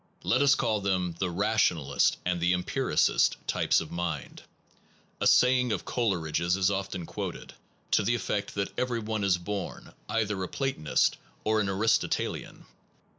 Let us call them the rationalist and the empiricist types of mind. A cism in meta physics saying of Coleridge s is often quoted, to the effect that every one is born either a platonist or an aristotelian.